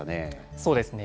そうですね。